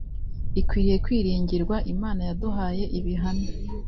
ikwiriye kwiringirwa Imana yaduhaye ibihamya